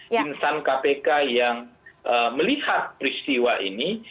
insan kpk yang melihat peristiwa ini